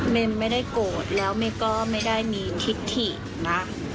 ไม่ได้โกรธแล้วเมย์ก็ไม่ได้มีทิศถินะ